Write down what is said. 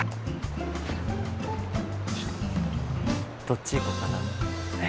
どっち行こうかな。